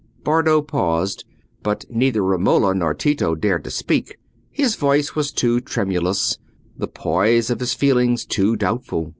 Bardo paused, but neither Romola nor Tito dared to speak—his voice was too tremulous, the poise of his feelings too doubtful.